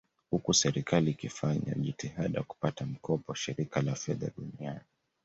Huku serikali ikifanya jitihada kupata mkopo Shirika la Fedha Duniani